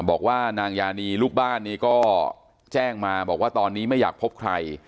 บอกว่านางยานีลูกบ้านนี้ก็แจ้งมาบอกว่าตอนนี้ไม่อยากพบใคร